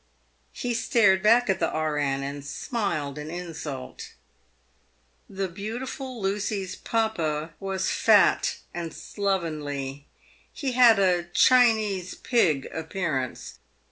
He stared back at the E.N., and smiled an insult. The beautiful Lucy's papa was fat and slovenly. He had a Chi nese pig appearance.